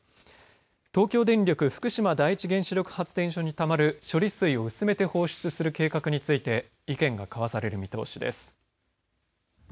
東京電力福島第一原子力発電所にたまる処理水を薄めて放出する計画について意見が交わされる見通しです。